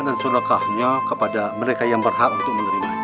dan menjadikan mereka yang berhak untuk menerima